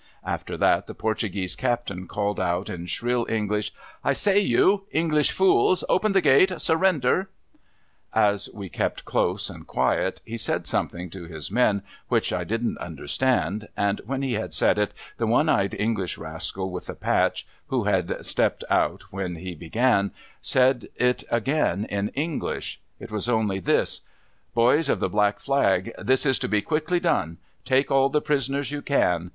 After that, the Portuguese captain called out in shrill English, ' I say you ! English fools ! Open the gate ! Surrender !' As we kept close and quiet, he said something to his men which' I didn't understand, and when he had said it, the one eyed English rascal with the patch (who had stepped out when he began), said i66 PKRII S OF CERTAIN ENGLISH PRISONERS it again in Knglisli. It was only this. 'Boys of the black flag, this is to be quickly done. Take all the prisoners you can.